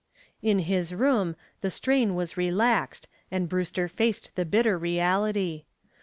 In his room the strain was relaxed and Brewster faced the bitter reality.